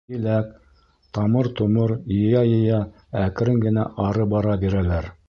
Еләк, тамыр-томор йыя-йыя әкрен генә ары бара бирәләр.